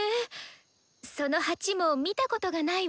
その鉢も見たことがないわ。